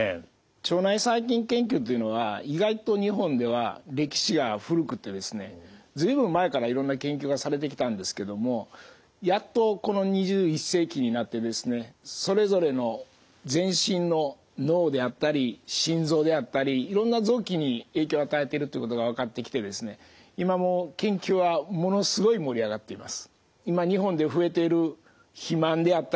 腸内細菌研究っていうのは意外と日本では歴史が古くて随分前からいろんな研究がされてきたんですけどもやっとこの２１世紀になってそれぞれの全身の脳であったり心臓であったりいろんな臓器に影響を与えているということが分かってきて今もう研究はものすごい盛り上がっています。